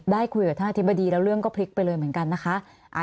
ได้คุยกับท่านอธิบดีแล้วเรื่องก็พลิกไปเลยเหมือนกันนะคะ